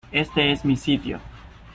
Este es mi sitio.